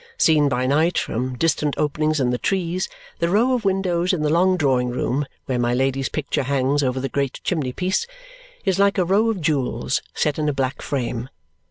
Seen by night from distant openings in the trees, the row of windows in the long drawing room, where my Lady's picture hangs over the great chimney piece, is like a row of jewels set in a black frame.